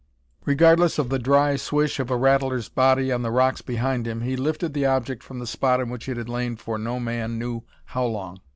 Regardless of the dry swish of a rattler's body on the rocks behind him, he lifted the object from the spot in which it had lain for no man knew how long.